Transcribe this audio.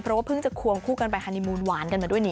เพราะว่าเพิ่งจะควงคู่กันไปฮานีมูลหวานกันมาด้วยนี้